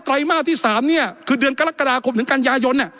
ไรมาสที่๓เนี่ยคือเดือนกรกฎาคมถึงกันยายน